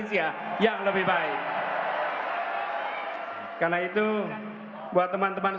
jawa timur himis bahkan